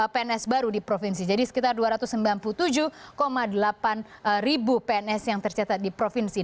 pns baru di provinsi jadi sekitar dua ratus sembilan puluh tujuh delapan ribu pns yang tercatat di provinsi